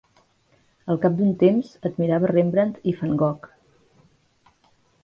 Al cap d'un temps admirava Rembrandt i Van Gogh.